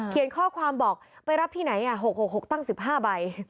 ข้อความบอกไปรับที่ไหน๖๖๖ตั้ง๑๕ใบ